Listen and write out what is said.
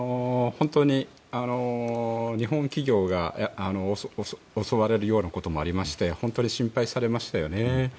日本企業が襲われるようなこともありまして本当に心配されましたよね。